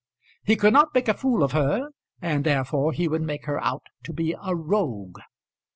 He could not make a fool of her, and therefore he would make her out to be a rogue.